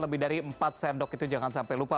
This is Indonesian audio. lebih dari empat sendok itu jangan sampai lupa